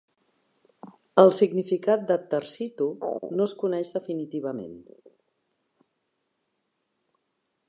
El significat de "tersitu" no es coneix definitivament.